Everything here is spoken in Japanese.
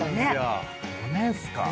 ５年っすか。